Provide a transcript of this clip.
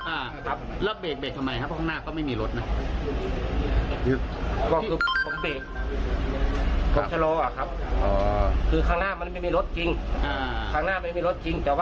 อ่าครับแล้วเบรกเบรกทำไมครับเพราะข้างหน้าก็ไม่มีรถนะ